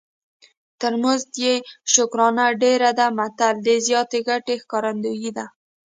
تر مزد یې شکرانه ډېره ده متل د زیاتې ګټې ښکارندوی دی